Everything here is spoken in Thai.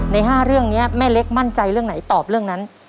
ใน๕เรื่องนี้แม่เล็กมั่นใจเรื่องไหนตอบเรื่องนั้น